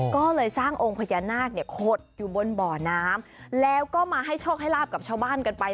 ก็เลยสร้างองค์พญานาคเนี่ยขดอยู่บนบ่อน้ำแล้วก็มาให้โชคให้ลาบกับชาวบ้านกันไป